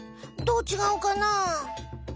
どうちがうかな？